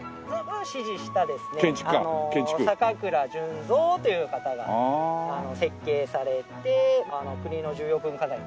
師事したですね坂倉準三という方が設計されて国の重要文化財に。